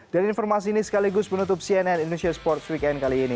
dan informasi ini sekaligus menutup cnn indonesia sports weekend kali ini